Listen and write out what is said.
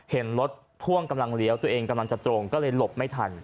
เห็นรถพ่วงกำลังเลี้ยวตัวเองกำลังจะตรงก็เลยหลบไม่ทัน